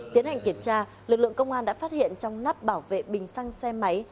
tiến hành kiểm tra lực lượng công an đã phát hiện trong nắp bảo vệ bình xăng xe máy